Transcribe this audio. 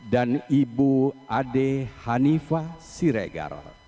dan ibu ade hanifah siregar